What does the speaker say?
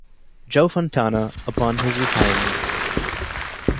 Joe Fontana upon his retirement.